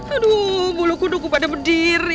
aduh bulu kudukku pada berdiri